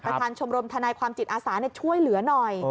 ชมรมทนายความจิตอาสาช่วยเหลือหน่อย